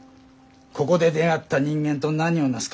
ここで出会った人間と何を成すか。